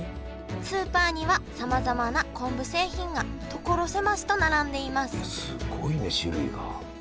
スーパーにはさまざまな昆布製品が所狭しと並んでいますすごいね種類が。